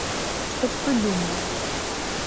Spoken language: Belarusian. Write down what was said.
Што б вы думалі?